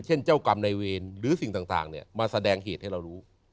เจ้ากรรมในเวรหรือสิ่งต่างมาแสดงเหตุให้เรารู้